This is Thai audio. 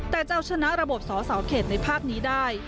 แต่จะเอาชนะระบบสอสอเขตในภาคนี้ได้